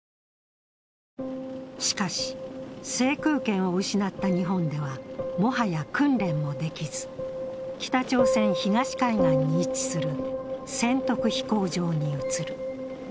しかし、制空権を失った日本ではもはや訓練もできず北朝鮮東海岸に位置する宣徳飛行場に移る。